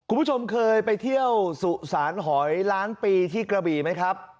คุณผู้ชมเคยไปเที่ยวสุสานหอยล้านปีที่กระบี่ไหมครับ